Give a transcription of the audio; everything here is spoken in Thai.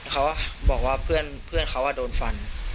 เขาบอกว่าเพื่อนเพื่อนเขาอะโดนฟัน